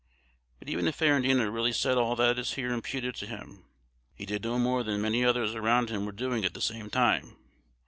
But even if Ferrandina really said all that is here imputed to him, he did no more than many others around him were doing at the same time.